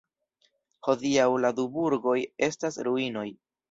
Hodiaŭ la du burgoj estas ruinoj.